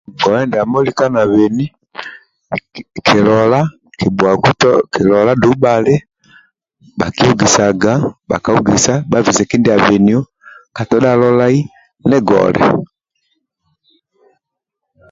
Ngoye ndiamo lika na beni kilola kibhuaku dou bhali bhakiogisaga nibisa kindia abenio katodha lolai nigola